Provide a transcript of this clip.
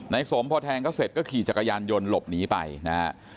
สมพอแทงเขาเสร็จก็ขี่จักรยานยนต์หลบหนีไปนะฮะ